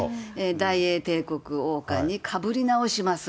大英帝国王冠にかぶり直します。